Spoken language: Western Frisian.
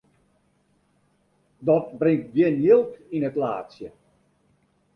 Dat bringt gjin jild yn it laadsje.